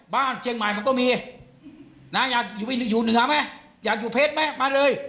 เชียงใหม่มันก็มีนะอยากอยู่เหนือไหมอยากอยู่เพชรไหมมาเลย